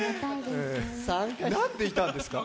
何でいたんですか？